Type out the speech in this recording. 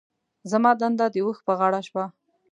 زما دنده د اوښ په غاړه شوه.